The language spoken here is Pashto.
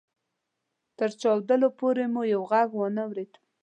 تر چاودلو پورې مو يې ږغ وانه اورېد.